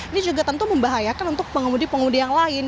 ini juga tentu membahayakan untuk pengemudi pengemudi yang lain